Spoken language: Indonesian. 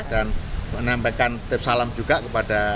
dan menampilkan tip salam juga kepada